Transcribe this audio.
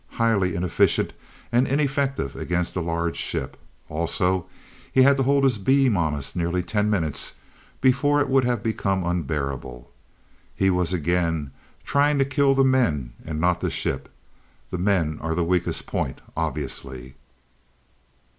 Highly inefficient and ineffective against a large ship. Also, he had to hold his beam on us nearly ten minutes before it would have become unbearable. He was again, trying to kill the men, and not the ship. The men are the weakest point, obviously."